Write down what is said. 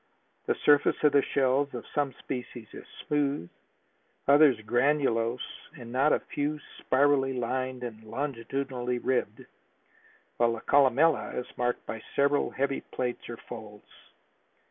The surface of the shells of some species is smooth, others granulose and not a few spirally lined and longitudinally ribbed, while the columella is marked by several heavy plaits or folds.